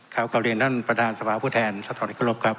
ข้าวกาเบียนท่านประดาษฐาผู้แทนสถทรกฤทธิ์ครับ